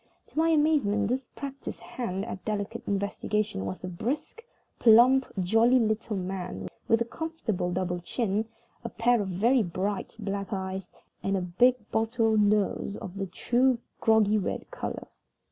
To my amazement, this practiced hand at delicate investigations was a brisk, plump, jolly little man, with a comfortable double chin, a pair of very bright black eyes, and a big bottle nose of the true groggy red color.